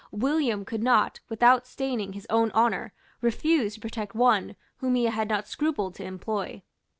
William could not, without staining his own honour, refuse to protect one whom he had not scrupled to employ.